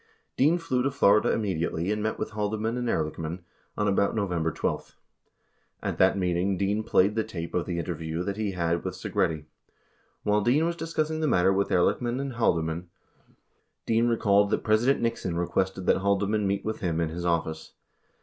75 Dean flew to Florida immediately, and met with Haldeman and Ehrlichman on about November 12. At that meeting, Dean played the tape of the interview that he had with Segretti. While Dean was dis cussing the matter with Ehrlichman and Haldeman, Dean recalled that President Nixon requested that Haldeman meet with him in his office.